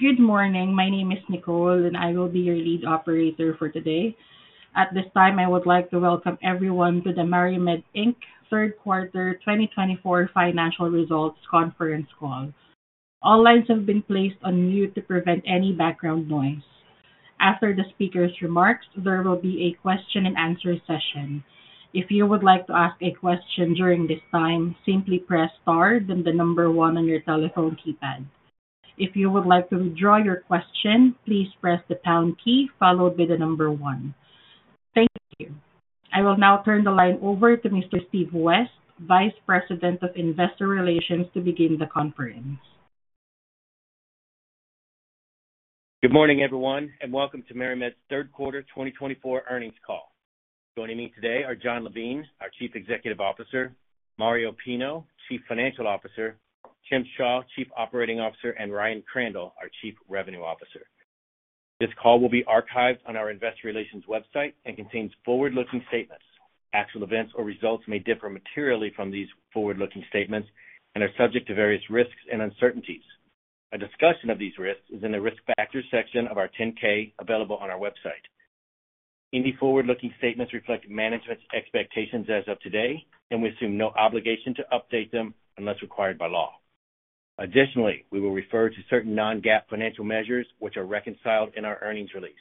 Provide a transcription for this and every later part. Good morning. My name is Nicole, and I will be your lead operator for today. At this time, I would like to welcome everyone to the MariMed Inc Third Quarter 2024 Financial Results Conference Call. All lines have been placed on mute to prevent any background noise. After the speaker's remarks, there will be a question-and-answer session. If you would like to ask a question during this time, simply press star then the number one on your telephone keypad. If you would like to withdraw your question, please press the pound key followed by the number one. Thank you. I will now turn the line over to Mr. Steve West, Vice President of Investor Relations, to begin the conference. Good morning, everyone, and welcome to MariMed's third quarter 2024 Earnings Call. Joining me today are Jon Levine, our Chief Executive Officer, Mario Pinho, Chief Financial Officer, Tim Shaw, Chief Operating Officer, and Ryan Crandall, our Chief Revenue Officer. This call will be archived on our Investor Relations website and contains forward-looking statements. Actual events or results may differ materially from these forward-looking statements and are subject to various risks and uncertainties. A discussion of these risks is in the Risk Factors section of our 10-K available on our website. Any forward-looking statements reflect management's expectations as of today, and we assume no obligation to update them unless required by law. Additionally, we will refer to certain non-GAAP financial measures, which are reconciled in our earnings release.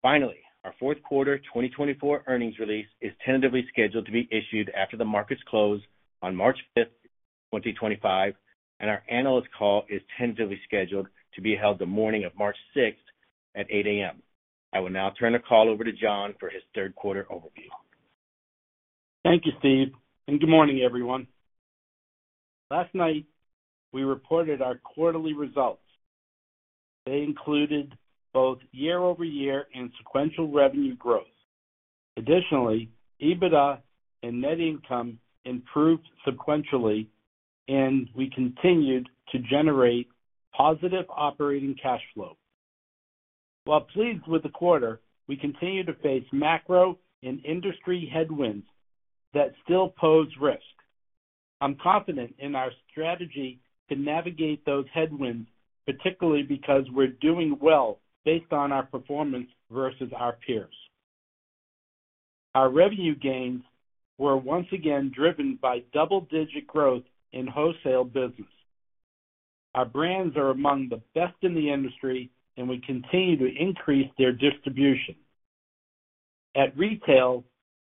Finally, our fourth quarter 2024 earnings release is tentatively scheduled to be issued after the markets close on March 5, 2025, and our analyst call is tentatively scheduled to be held the morning of March 6 at 8:00 A.M. I will now turn the call over to Jon for his third quarter overview. Thank you, Steve, and good morning, everyone. Last night, we reported our quarterly results. They included both year-over-year and sequential revenue growth. Additionally, EBITDA and net income improved sequentially, and we continued to generate positive operating cash flow. While pleased with the quarter, we continue to face macro and industry headwinds that still pose risk. I'm confident in our strategy to navigate those headwinds, particularly because we're doing well based on our performance versus our peers. Our revenue gains were once again driven by double-digit growth in wholesale business. Our brands are among the best in the industry, and we continue to increase their distribution. At retail,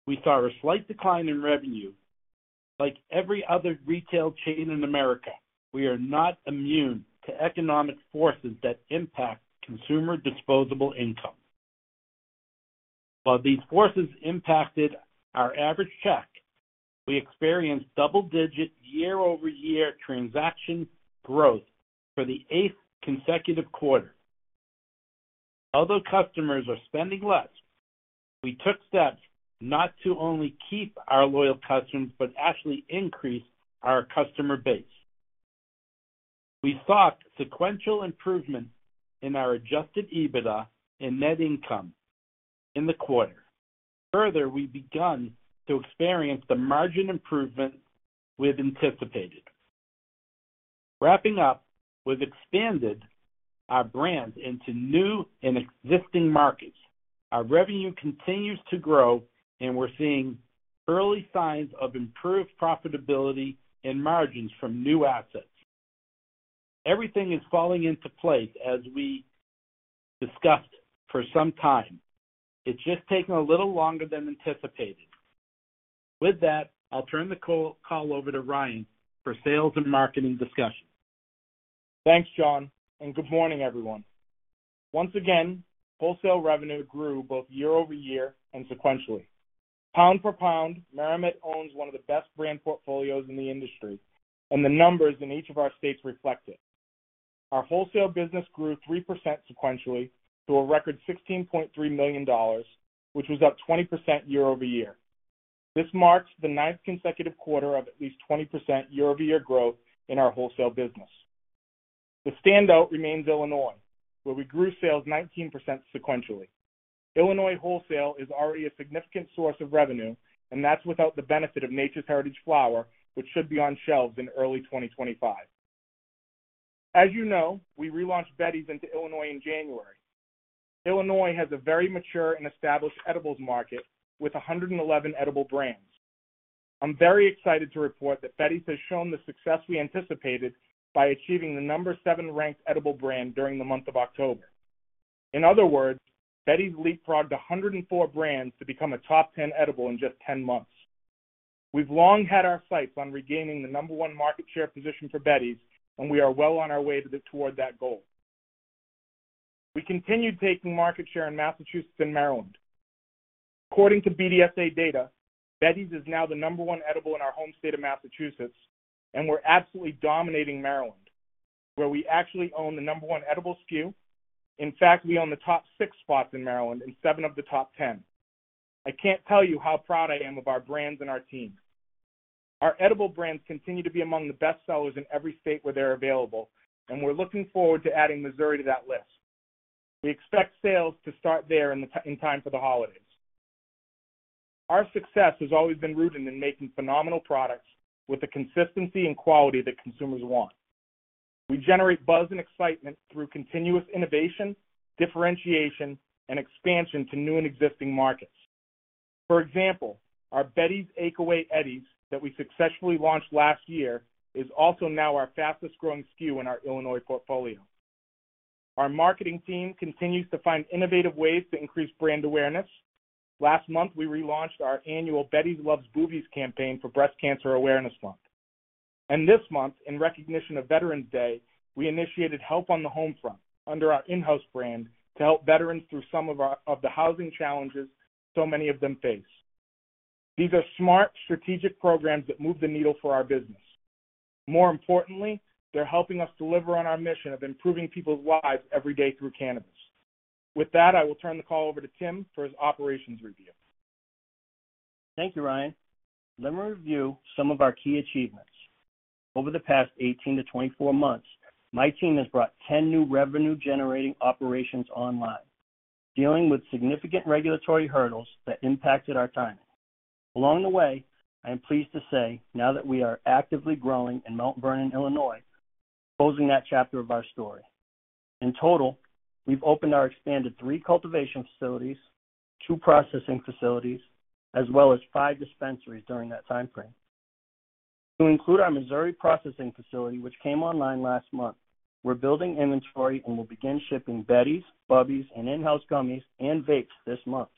we saw a slight decline in revenue. Like every other retail chain in America, we are not immune to economic forces that impact consumer disposable income. While these forces impacted our average check, we experienced double-digit year-over-year transaction growth for the eighth consecutive quarter. Although customers are spending less, we took steps not to only keep our loyal customers but actually increase our customer base. We saw sequential improvements in our Adjusted EBITDA and net income in the quarter. Further, we've begun to experience the margin improvement we've anticipated. Wrapping up, we've expanded our brand into new and existing markets. Our revenue continues to grow, and we're seeing early signs of improved profitability and margins from new assets. Everything is falling into place as we discussed for some time. It's just taken a little longer than anticipated. With that, I'll turn the call over to Ryan for sales and marketing discussion. Thanks, Jon, and good morning, everyone. Once again, wholesale revenue grew both year-over-year and sequentially. Pound for pound, MariMed owns one of the best brand portfolios in the industry, and the numbers in each of our states reflect it. Our wholesale business grew 3% sequentially to a record $16.3 million, which was up 20% year-over-year. This marks the ninth consecutive quarter of at least 20% year-over-year growth in our wholesale business. The standout remains Illinois, where we grew sales 19% sequentially. Illinois wholesale is already a significant source of revenue, and that's without the benefit of Nature's Heritage flower, which should be on shelves in early 2025. As you know, we relaunched Betty's into Illinois in January. Illinois has a very mature and established edibles market with 111 edible brands. I'm very excited to report that Betty's has shown the success we anticipated by achieving the number seven-ranked edible brand during the month of October. In other words, Betty's leapfrogged 104 brands to become a top 10 edible in just 10 months. We've long had our sights on regaining the number one market share position for Betty's, and we are well on our way toward that goal. We continue taking market share in Massachusetts and Maryland. According to BDSA data, Betty's is now the number one edible in our home state of Massachusetts, and we're absolutely dominating Maryland, where we actually own the number one edible SKU. In fact, we own the top six spots in Maryland and seven of the top 10. I can't tell you how proud I am of our brands and our team. Our edible brands continue to be among the best sellers in every state where they're available, and we're looking forward to adding Missouri to that list. We expect sales to start there in time for the holidays. Our success has always been rooted in making phenomenal products with the consistency and quality that consumers want. We generate buzz and excitement through continuous innovation, differentiation, and expansion to new and existing markets. For example, our Betty's Eddies Ache Away that we successfully launched last year is also now our fastest-growing SKU in our Illinois portfolio. Our marketing team continues to find innovative ways to increase brand awareness. Last month, we relaunched our annual Betty's Loves Boobies campaign for Breast Cancer Awareness Month. And this month, in recognition of Veterans Day, we initiated Help on the Homefront under our InHouse brand to help veterans through some of the housing challenges so many of them face. These are smart, strategic programs that move the needle for our business. More importantly, they're helping us deliver on our mission of improving people's lives every day through cannabis. With that, I will turn the call over to Tim for his operations review. Thank you, Ryan. Let me review some of our key achievements. Over the past 18-24 months, my team has brought 10 new revenue-generating operations online, dealing with significant regulatory hurdles that impacted our timing. Along the way, I am pleased to say now that we are actively growing in Mount Vernon, Illinois, closing that chapter of our story. In total, we've opened our expanded three cultivation facilities, two processing facilities, as well as five dispensaries during that time frame. To include our Missouri processing facility, which came online last month, we're building inventory and will begin shipping Betty's, Bubby's, and InHouse gummies and vapes this month.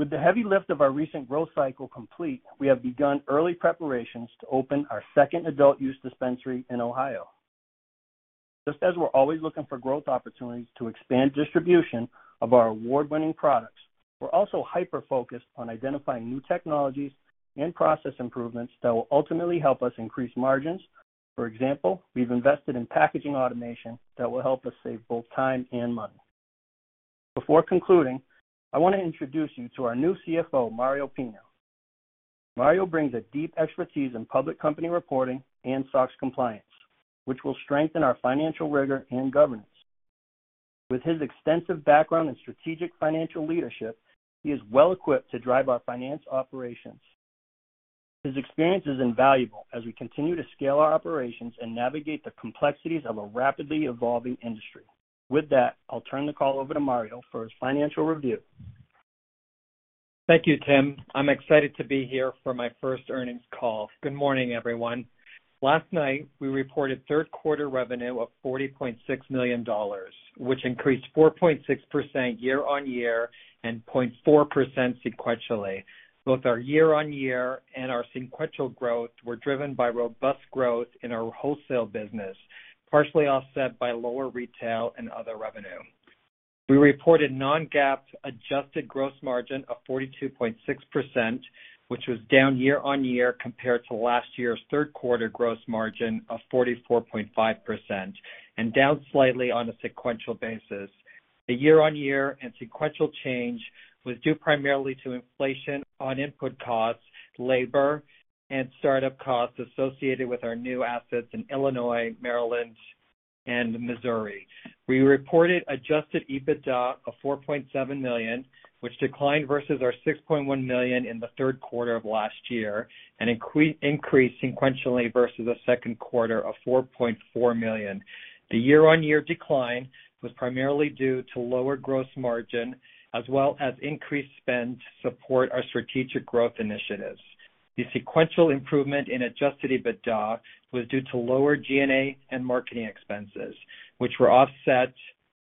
With the heavy lift of our recent growth cycle complete, we have begun early preparations to open our second adult-use dispensary in Ohio. Just as we're always looking for growth opportunities to expand distribution of our award-winning products, we're also hyper-focused on identifying new technologies and process improvements that will ultimately help us increase margins. For example, we've invested in packaging automation that will help us save both time and money. Before concluding, I want to introduce you to our new CFO, Mario Pinho. Mario brings a deep expertise in public company reporting and SOX compliance, which will strengthen our financial rigor and governance. With his extensive background in strategic financial leadership, he is well-equipped to drive our finance operations. His experience is invaluable as we continue to scale our operations and navigate the complexities of a rapidly evolving industry. With that, I'll turn the call over to Mario for his financial review. Thank you, Tim. I'm excited to be here for my first earnings call. Good morning, everyone. Last night, we reported third quarter revenue of $40.6 million, which increased 4.6% year-on-year and 0.4% sequentially. Both our year-on-year and our sequential growth were driven by robust growth in our wholesale business, partially offset by lower retail and other revenue. We reported non-GAAP adjusted gross margin of 42.6%, which was down year-on-year compared to last year's third quarter gross margin of 44.5%, and down slightly on a sequential basis. The year-on-year and sequential change was due primarily to inflation on input costs, labor, and startup costs associated with our new assets in Illinois, Maryland, and Missouri. We reported adjusted EBITDA of $4.7 million, which declined versus our $6.1 million in the third quarter of last year and increased sequentially versus the second quarter of $4.4 million. The year-on-year decline was primarily due to lower gross margin as well as increased spend to support our strategic growth initiatives. The sequential improvement in Adjusted EBITDA was due to lower G&A and marketing expenses, which were offset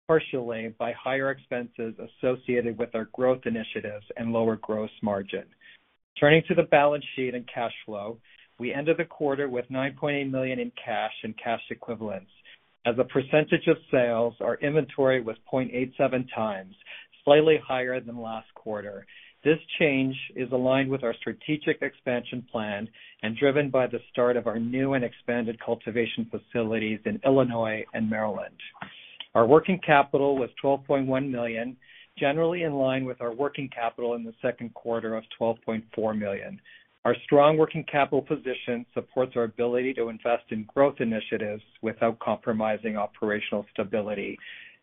partially by higher expenses associated with our growth initiatives and lower gross margin. Turning to the balance sheet and cash flow, we ended the quarter with $9.8 million in cash and cash equivalents. As a percentage of sales, our inventory was 0.87 times, slightly higher than last quarter. This change is aligned with our strategic expansion plan and driven by the start of our new and expanded cultivation facilities in Illinois and Maryland. Our working capital was $12.1 million, generally in line with our working capital in the second quarter of $12.4 million. Our strong working capital position supports our ability to invest in growth initiatives without compromising operational stability.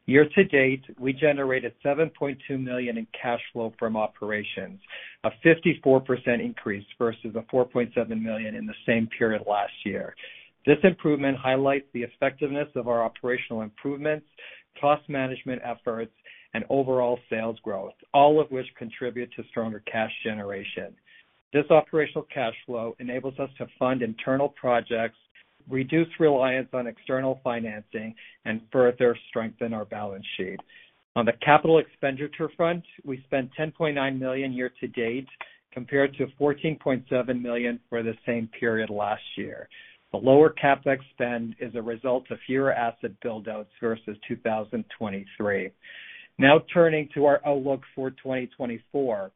Year-to-date, we generated $7.2 million in cash flow from operations, a 54% increase versus the $4.7 million in the same period last year. This improvement highlights the effectiveness of our operational improvements, cost management efforts, and overall sales growth, all of which contribute to stronger cash generation. This operational cash flow enables us to fund internal projects, reduce reliance on external financing, and further strengthen our balance sheet. On the capital expenditure front, we spent $10.9 million year-to-date compared to $14.7 million for the same period last year. The lower CapEx spend is a result of fewer asset buildouts versus 2023. Now turning to our outlook for 2024,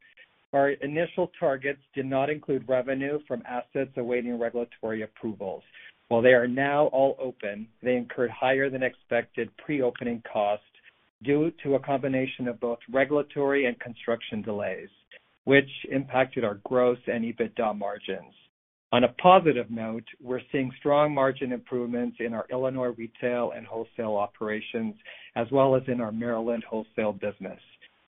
our initial targets did not include revenue from assets awaiting regulatory approvals. While they are now all open, they incurred higher than expected pre-opening costs due to a combination of both regulatory and construction delays, which impacted our gross and EBITDA margins. On a positive note, we're seeing strong margin improvements in our Illinois retail and wholesale operations, as well as in our Maryland wholesale business.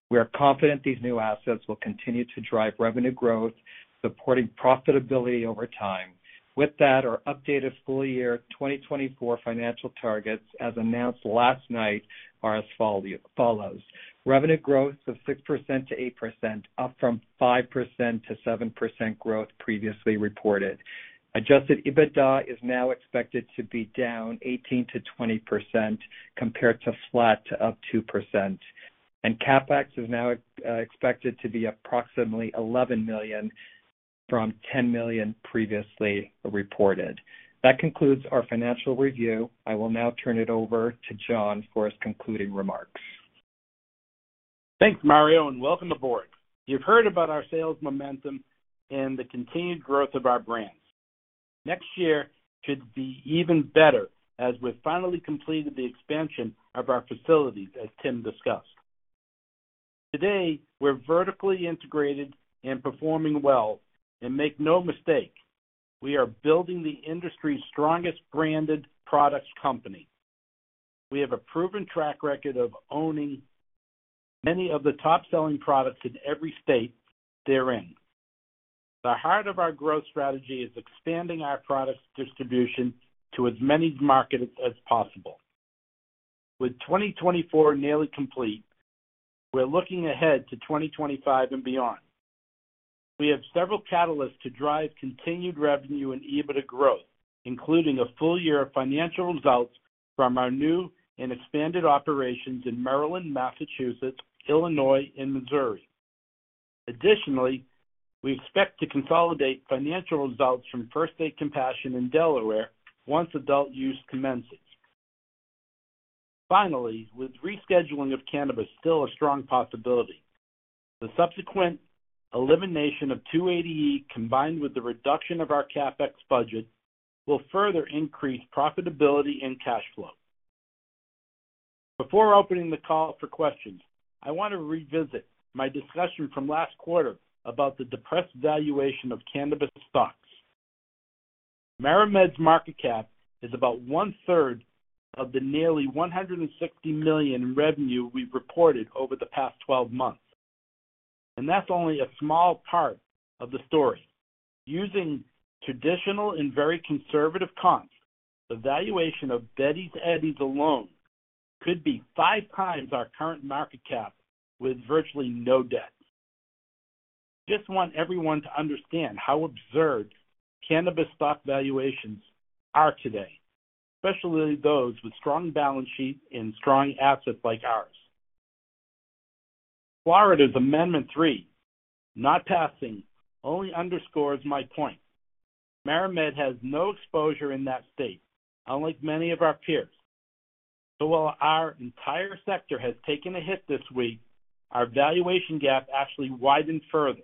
We are confident these new assets will continue to drive revenue growth, supporting profitability over time. With that, our updated full-year 2024 financial targets, as announced last night, are as follows. Revenue growth of 6%-8%, up from 5%-7% growth previously reported. Adjusted EBITDA is now expected to be down 18%-20% compared to flat to up 2%. CapEx is now expected to be approximately $11 million from $10 million previously reported. That concludes our financial review. I will now turn it over to Jon for his concluding remarks. Thanks, Mario, and welcome aboard. You've heard about our sales momentum and the continued growth of our brands. Next year should be even better as we've finally completed the expansion of our facilities, as Tim discussed. Today, we're vertically integrated and performing well. And make no mistake, we are building the industry's strongest branded products company. We have a proven track record of owning many of the top-selling products in every state therein. The heart of our growth strategy is expanding our product distribution to as many markets as possible. With 2024 nearly complete, we're looking ahead to 2025 and beyond. We have several catalysts to drive continued revenue and EBITDA growth, including a full year of financial results from our new and expanded operations in Maryland, Massachusetts, Illinois, and Missouri. Additionally, we expect to consolidate financial results from First State Compassion in Delaware once adult use commences. Finally, with rescheduling of cannabis still a strong possibility, the subsequent elimination of 280E combined with the reduction of our CapEx budget will further increase profitability and cash flow. Before opening the call for questions, I want to revisit my discussion from last quarter about the depressed valuation of cannabis stocks. MariMed's market cap is about one-third of the nearly $160 million in revenue we've reported over the past 12 months. And that's only a small part of the story. Using traditional and very conservative comps, the valuation of Betty's Eddies alone could be five times our current market cap with virtually no debt. I just want everyone to understand how absurd cannabis stock valuations are today, especially those with strong balance sheets and strong assets like ours. Florida's Amendment 3, not passing, only underscores my point. MariMed has no exposure in that state, unlike many of our peers. So while our entire sector has taken a hit this week, our valuation gap actually widened further.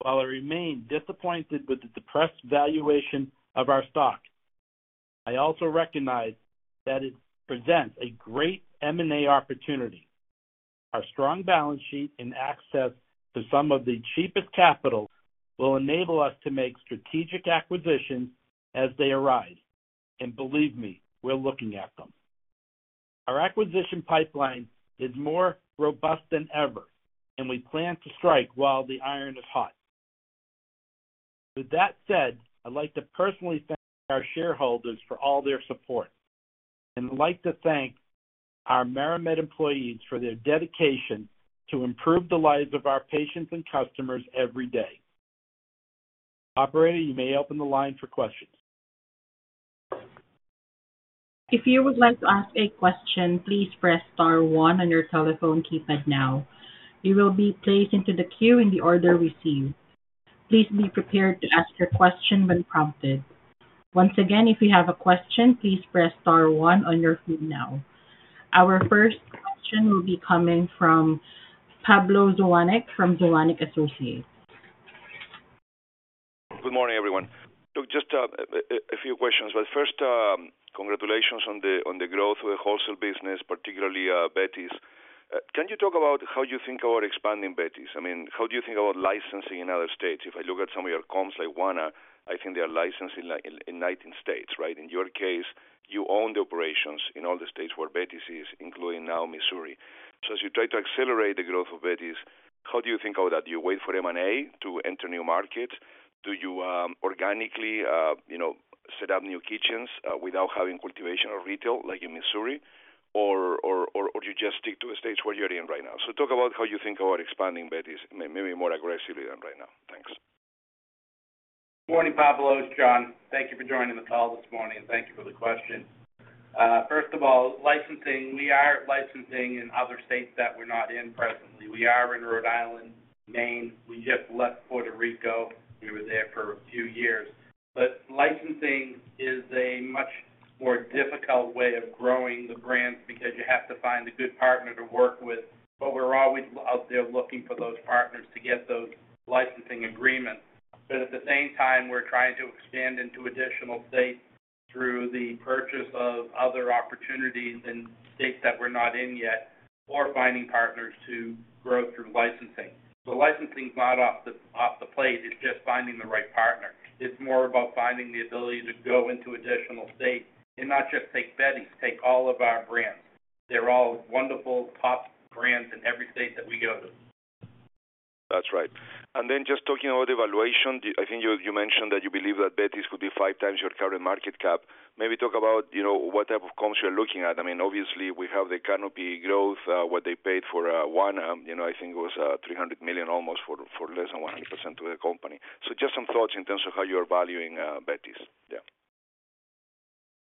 While I remain disappointed with the depressed valuation of our stock, I also recognize that it presents a great M&A opportunity. Our strong balance sheet and access to some of the cheapest capital will enable us to make strategic acquisitions as they arise. And believe me, we're looking at them. Our acquisition pipeline is more robust than ever, and we plan to strike while the iron is hot. With that said, I'd like to personally thank our shareholders for all their support. And I'd like to thank our MariMed employees for their dedication to improve the lives of our patients and customers every day. Operator, you may open the line for questions. If you would like to ask a question, please press star one on your telephone keypad now. You will be placed into the queue in the order we see. Please be prepared to ask your question when prompted. Once again, if you have a question, please press star one on your queue now. Our first question will be coming from Pablo Zuanic from Zuanic & Associates. Good morning, everyone. So just a few questions. But first, congratulations on the growth of the wholesale business, particularly Betty's. Can you talk about how you think about expanding Betty's? I mean, how do you think about licensing in other states? If I look at some of your comps like Wana, I think they are licensing in 19 states, right? In your case, you own the operations in all the states where Betty's is, including now Missouri. So as you try to accelerate the growth of Betty's, how do you think about that? Do you wait for M&A to enter new markets? Do you organically set up new kitchens without having cultivation or retail like in Missouri? Or do you just stick to the states where you're in right now? So talk about how you think about expanding Betty's, maybe more aggressively than right now. Thanks. Morning, Pablo, it's Jon. Thank you for joining the call this morning. Thank you for the question. First of all, licensing, we are licensing in other states that we're not in presently. We are in Rhode Island, Maine. We just left Puerto Rico. We were there for a few years. But licensing is a much more difficult way of growing the brand because you have to find a good partner to work with. But we're always out there looking for those partners to get those licensing agreements. But at the same time, we're trying to expand into additional states through the purchase of other opportunities in states that we're not in yet or finding partners to grow through licensing. So licensing is not off the plate. It's just finding the right partner. It's more about finding the ability to go into additional states and not just take Betty's, take all of our brands. They're all wonderful top brands in every state that we go to. That's right. And then just talking about valuation, I think you mentioned that you believe that Betty's could be five times your current market cap. Maybe talk about what type of comps you're looking at. I mean, obviously, we have the Canopy Growth, what they paid for Wana, I think it was $300 million almost for less than 100% of the company. So just some thoughts in terms of how you're valuing Betty's. Yeah.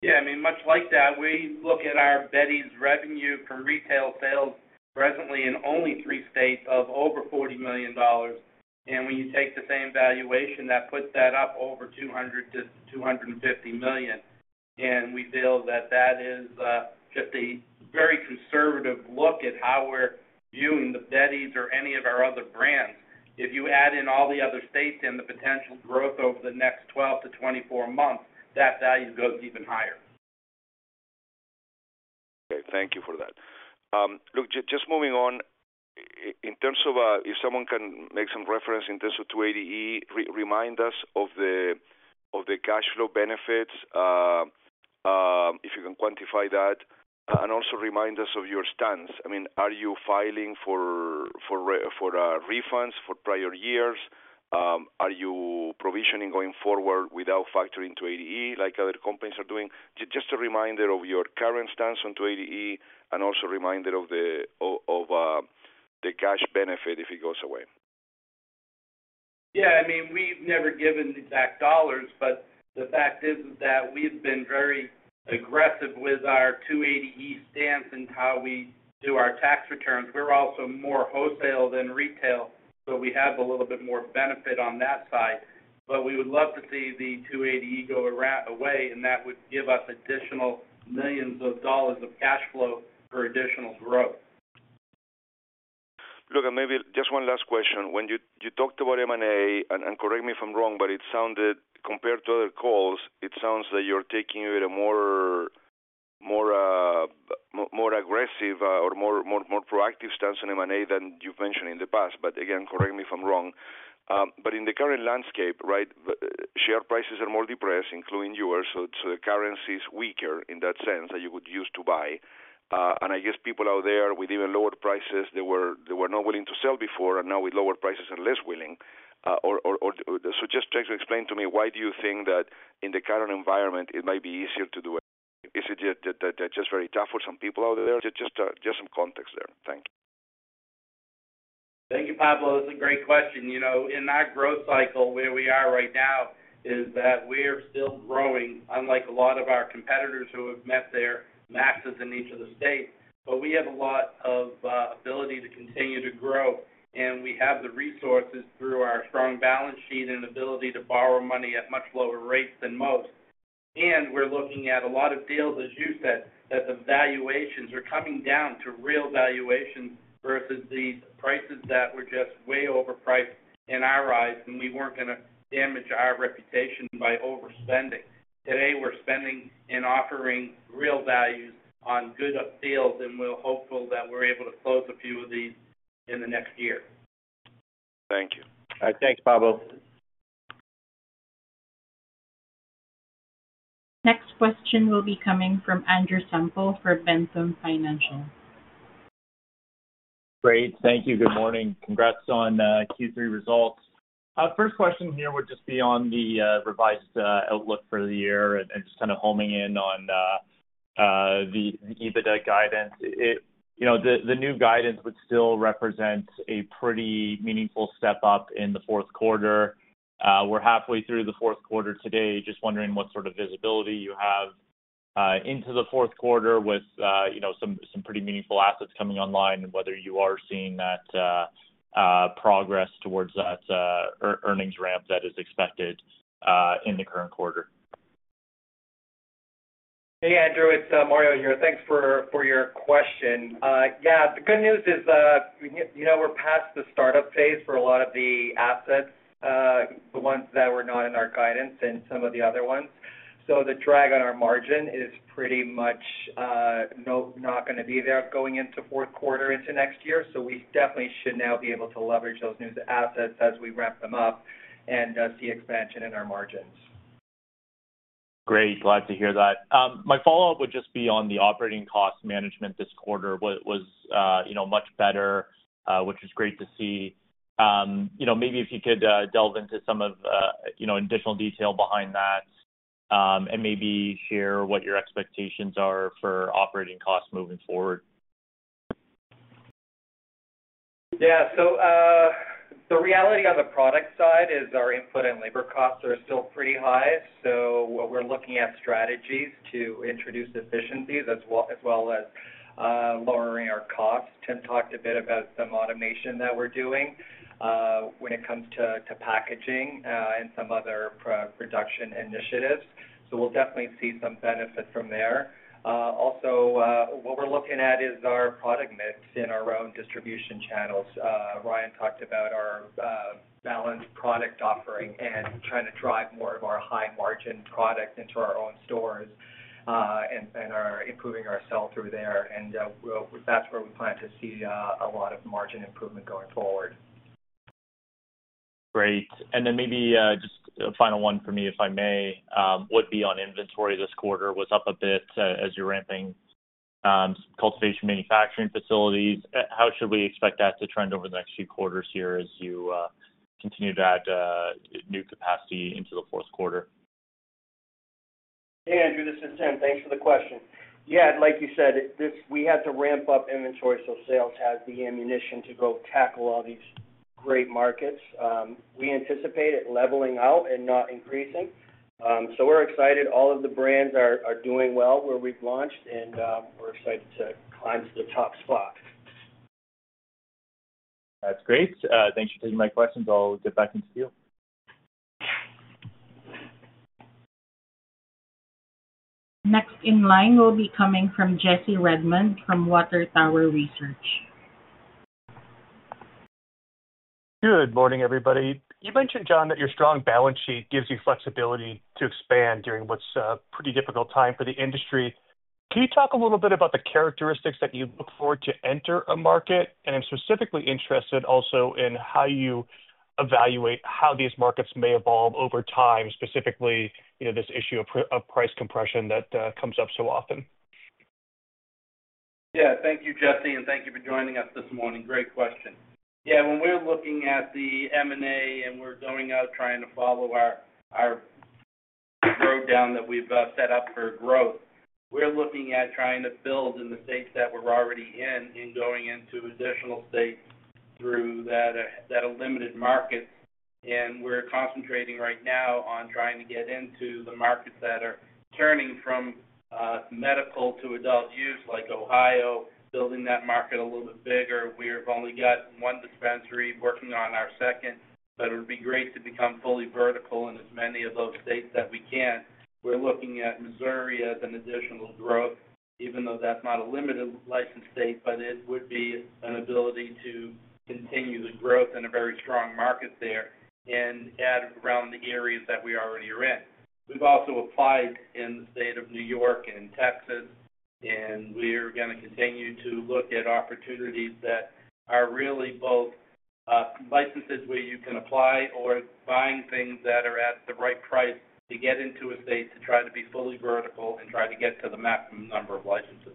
Yeah. I mean, much like that, we look at our Betty's revenue from retail sales presently in only three states of over $40 million. And when you take the same valuation, that puts that up over $200 million-$250 million. And we feel that that is just a very conservative look at how we're viewing the Betty's or any of our other brands. If you add in all the other states and the potential growth over the next 12 to 24 months, that value goes even higher. Okay. Thank you for that. Look, just moving on, in terms of if someone can make some reference in terms of 280E, remind us of the cash flow benefits if you can quantify that. And also remind us of your stance. I mean, are you filing for refunds for prior years? Are you provisioning going forward without factoring 280E like other companies are doing? Just a reminder of your current stance on 280E and also a reminder of the cash benefit if it goes away. Yeah. I mean, we've never given exact dollars, but the fact is that we've been very aggressive with our 280E stance and how we do our tax returns. We're also more wholesale than retail, so we have a little bit more benefit on that side. But we would love to see the 280E go away, and that would give us additional millions of dollars of cash flow for additional growth. Look, and maybe just one last question. When you talked about M&A, and correct me if I'm wrong, but it sounded compared to other calls, it sounds that you're taking a more aggressive or more proactive stance on M&A than you've mentioned in the past. But again, correct me if I'm wrong. But in the current landscape, right, share prices are more depressed, including yours. So the currency is weaker in that sense that you could use to buy. And I guess people out there with even lower prices, they were not willing to sell before, and now with lower prices, they're less willing. So just try to explain to me why do you think that in the current environment, it might be easier to do it? Is it just very tough for some people out there? Just some context there. Thank you. Thank you, Pablo. That's a great question. In that growth cycle, where we are right now is that we are still growing, unlike a lot of our competitors who have met their maxes in each of the states, but we have a lot of ability to continue to grow, and we have the resources through our strong balance sheet and ability to borrow money at much lower rates than most, and we're looking at a lot of deals, as you said, that the valuations are coming down to real valuations versus these prices that were just way overpriced in our eyes, and we weren't going to damage our reputation by overspending. Today, we're spending and offering real values on good deals, and we're hopeful that we're able to close a few of these in the next year. Thank you. All right. Thanks, Pablo. Next question will be coming from Andrew Semple for Ventum Financial. Great. Thank you. Good morning. Congrats on Q3 results. First question here would just be on the revised outlook for the year and just kind of homing in on the EBITDA guidance. The new guidance would still represent a pretty meaningful step up in the fourth quarter. We're halfway through the fourth quarter today. Just wondering what sort of visibility you have into the fourth quarter with some pretty meaningful assets coming online and whether you are seeing that progress towards that earnings ramp that is expected in the current quarter. Hey, Andrew. It's Mario here. Thanks for your question. Yeah. The good news is we're past the startup phase for a lot of the assets, the ones that were not in our guidance and some of the other ones. So the drag on our margin is pretty much not going to be there going into fourth quarter into next year. So we definitely should now be able to leverage those new assets as we ramp them up and see expansion in our margins. Great. Glad to hear that. My follow-up would just be on the operating cost management. This quarter was much better, which is great to see. Maybe if you could delve into some of the additional detail behind that and maybe share what your expectations are for operating costs moving forward. Yeah. So the reality on the product side is our input and labor costs are still pretty high, so we're looking at strategies to introduce efficiencies as well as lowering our costs. Tim talked a bit about some automation that we're doing when it comes to packaging and some other production initiatives, so we'll definitely see some benefit from there. Also, what we're looking at is our product mix in our own distribution channels. Ryan talked about our balanced product offering and trying to drive more of our high-margin product into our own stores and improving our sell-through there, and that's where we plan to see a lot of margin improvement going forward. Great. And then maybe just a final one for me, if I may, would be on inventory, this quarter was up a bit as you're ramping cultivation manufacturing facilities. How should we expect that to trend over the next few quarters here as you continue to add new capacity into the fourth quarter? Hey, Andrew. This is Tim. Thanks for the question. Yeah. Like you said, we had to ramp up inventory so sales has the ammunition to go tackle all these great markets. We anticipate it leveling out and not increasing. So we're excited. All of the brands are doing well where we've launched, and we're excited to climb to the top spot. That's great. Thanks for taking my questions. I'll get back into field. Next in line will be coming from Jesse Redmond from Water Tower Research. Good morning, everybody. You mentioned, Jon, that your strong balance sheet gives you flexibility to expand during what's a pretty difficult time for the industry. Can you talk a little bit about the characteristics that you look for to enter a market? And I'm specifically interested also in how you evaluate how these markets may evolve over time, specifically this issue of price compression that comes up so often. Yeah. Thank you, Jesse, and thank you for joining us this morning. Great question. Yeah. When we're looking at the M&A and we're going out trying to follow our growth down that we've set up for growth, we're looking at trying to build in the states that we're already in and going into additional states through that limited markets. And we're concentrating right now on trying to get into the markets that are turning from medical to adult-use like Ohio, building that market a little bit bigger. We have only got one dispensary working on our second, but it would be great to become fully vertical in as many of those states that we can. We're looking at Missouri as an additional growth, even though that's not a limited license state, but it would be an ability to continue the growth in a very strong market there and add around the areas that we already are in. We've also applied in the state of New York and Texas, and we are going to continue to look at opportunities that are really both licenses where you can apply or buying things that are at the right price to get into a state to try to be fully vertical and try to get to the maximum number of licenses.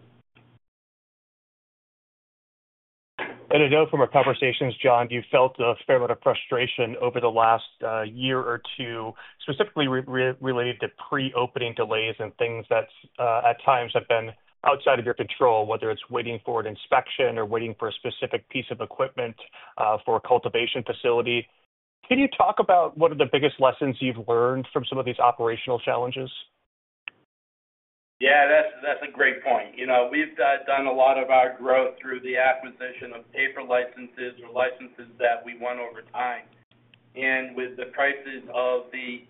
I know from our conversations, Jon, you've felt a fair amount of frustration over the last year or two, specifically related to pre-opening delays and things that at times have been outside of your control, whether it's waiting for an inspection or waiting for a specific piece of equipment for a cultivation facility. Can you talk about what are the biggest lessons you've learned from some of these operational challenges? Yeah. That's a great point. We've done a lot of our growth through the acquisition of paper licenses or licenses that we won over time. And with the prices of the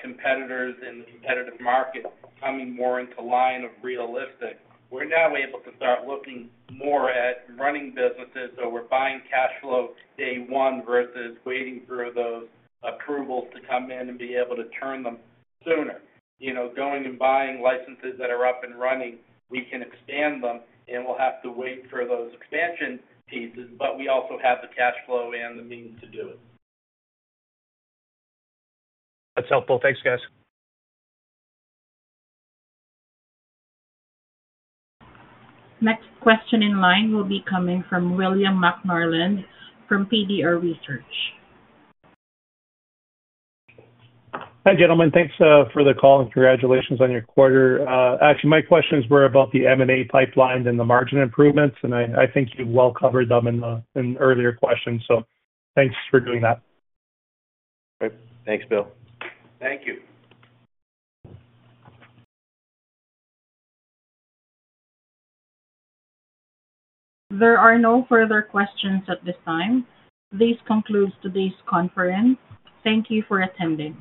competitors in the competitive market coming more into line of realistic, we're now able to start looking more at running businesses. So we're buying cash flow day one versus waiting for those approvals to come in and be able to turn them sooner. Going and buying licenses that are up and running, we can expand them, and we'll have to wait for those expansion pieces, but we also have the cash flow and the means to do it. That's helpful. Thanks, guys. Next question in line will be coming from William McNarland from Eiffel Peak Capital. Hi, gentlemen. Thanks for the call and congratulations on your quarter. Actually, my questions were about the M&A pipelines and the margin improvements, and I think you've well covered them in earlier questions. So thanks for doing that. Okay. Thanks, Bill. Thank you. There are no further questions at this time. This concludes today's conference. Thank you for attending.